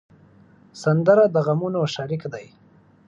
سندره د غمونو شریک دی